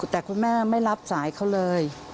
แต่คุณแม่ไม่รับสายเขาเลย